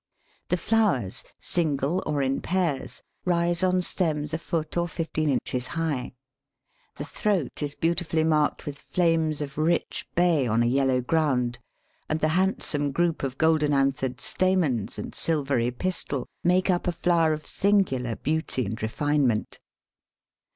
The flowers, single or in pairs, rise on stems a foot or fifteen inches high; the throat is beautifully marked with flames of rich bay on a yellow ground, and the handsome group of golden anthered stamens and silvery pistil make up a flower of singular beauty and refinement.